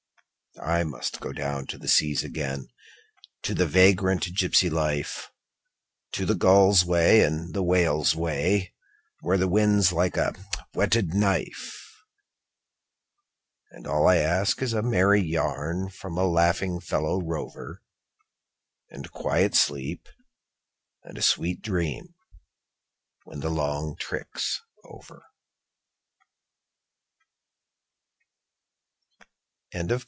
I must go down to the seas again, to the vagrant gypsy life, To the gull's way and the whale's way, where the wind's like a whetted knife; And all I ask is a merry yarn from a laughing fellow rover, And quiet sleep and a sweet dream when the long trick's over.